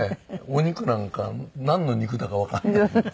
お肉なんかなんの肉だかわかんない。